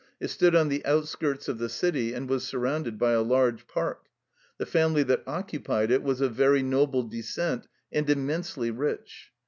It stood on the out skirts of the city and was surrounded by a large park. The family that occupied it was of very noble descent and immensely rich.